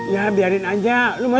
ya biarin aja